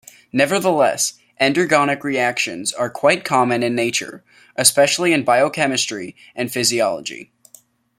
Nevertheless, endergonic reactions are quite common in nature, especially in biochemistry and physiology.